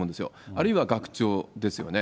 あるいは学長ですよね。